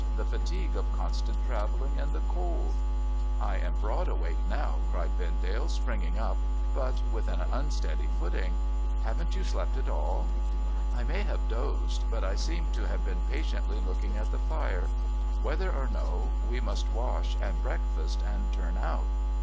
' The fatigue of constant travelling and the cold !'' I am broad awake now,' cried Vendale, springing up, but with an unsteady footing. ' Haven't you slept at all ?'' I may have dozed, but I seem to have been patiently looking at the fire. Whether or no, we must wash, and breakfast, and turn out.